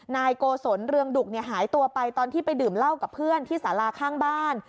นายโกศลเรืองดุกหายตัวไปตอนที่ไปดื่มเหล้ากับเพื่อนที่สาราข้างบ้าน